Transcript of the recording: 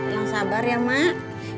yang sabar ya mak